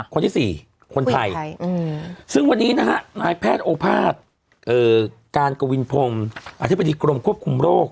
คนที่๔คนไทยซึ่งวันนี้นะฮะนายแพทย์โอภาษย์การกวินพงศ์อธิบดีกรมควบคุมโรค